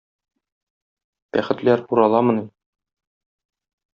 Бәхетләр ураламыни...